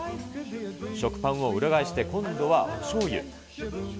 食パンを裏返して、今度はおしょうゆ。